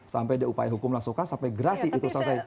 sampai dia upaya hukum langsungkan sampai gerasi itu selesai